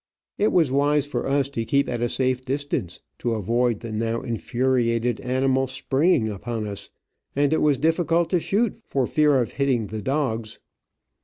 It was wise for us to keep at a safe distance, to avoid the now infuriated animal springing upon us, and it was difficult to shoot for fear of hitting the dogs.